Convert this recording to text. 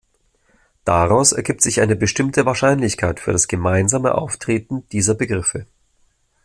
Daraus ergibt sich eine bestimmte Wahrscheinlichkeit für das gemeinsame Auftreten dieser Begriffe.